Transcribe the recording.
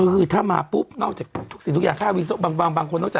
คือถ้ามาปุ๊บนอกจากทุกสิ่งทุกอย่างค่าวิซัก